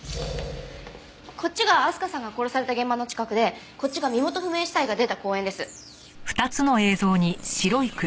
こっちが明日香さんが殺された現場の近くでこっちが身元不明死体が出た公園です。